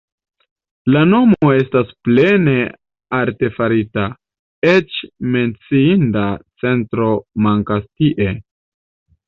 La nomo estas plene artefarita, eĉ menciinda centro mankas tie.